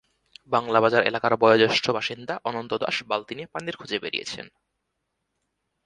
বাংলাবাজার এলাকার বয়োজ্যেষ্ঠ বাসিন্দা অনন্ত দাস বালতি নিয়ে পানির খোঁজে বেরিয়েছেন।